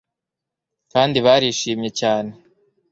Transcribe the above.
kandi barishimye cyane